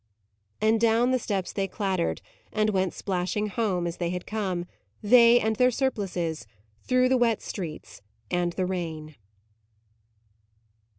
And down the steps they clattered, and went splashing home, as they had come, they and their surplices, through the wet streets and the rain.